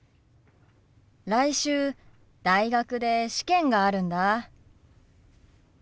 来週大学で試験があるんだ。